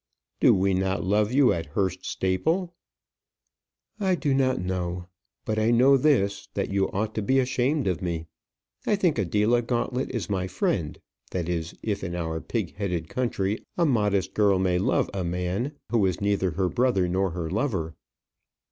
"Do we not love you at Hurst Staple?" "I do not know. But I know this, that you ought to be ashamed of me. I think Adela Gauntlet is my friend; that is, if in our pig headed country a modest girl may love a man who is neither her brother nor her lover."